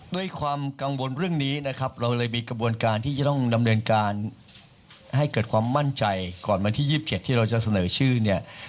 ด้วยความกังวลเรื่องนี้นะครับเราเลยมีกระบวนการที่จะต้องดำเนินการให้เกิดความมั่นใจก่อนวันที่๒๗ที่เราจะเสนอชื่อเนี่ย